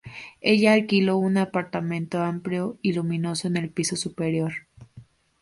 Ella alquiló un apartamento amplio y luminoso en el piso superior.